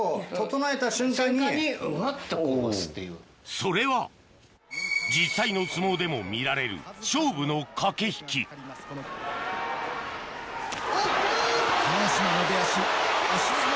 それは実際の相撲でも見られる勝負の駆け引き玉乃島の出足押し相撲。